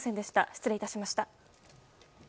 失礼いたしました。